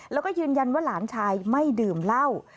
แล้วก็ยืนยันว่าหลานชายไม่ดื่มเหล้า